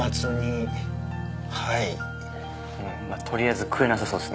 うんまあとりあえず食えなさそうですね。